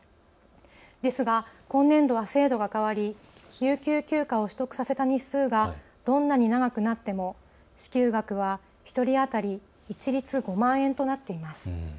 ですが今年度は制度が変わり有給休暇を取得させた日数がどんなに長くなっても支給額は１人当たり一律５万円となっています。